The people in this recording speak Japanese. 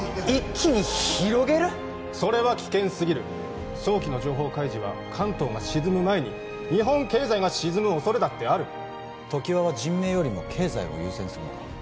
それは危険すぎる早期の情報開示は関東が沈む前に日本経済が沈むおそれだってある常盤は人命よりも経済を優先するのか？